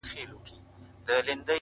سل ځله یې زموږ پر کچکولونو زهر وشیندل!